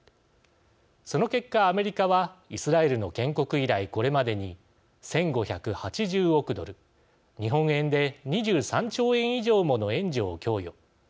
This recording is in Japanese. その結果、アメリカはイスラエルの建国以来これまでに１５８０億ドル日本円で２３兆円以上もの援助を供与。